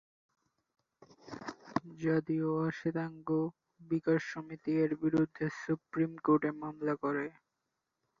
জাতীয় অ-শ্বেতাঙ্গ বিকাশ সমিতি এর বিরুদ্ধে সুপ্রিম কোর্টে মামলা করে।